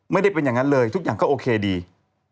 ไม่ได้เป็นอย่างนั้นเลยทุกอย่างก็โอเคดี